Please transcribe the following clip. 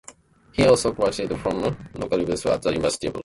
He also graduated from the Iowa Writers' Workshop at the University of Iowa.